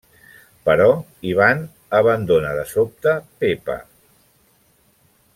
Però Ivan abandona de sobte Pepa.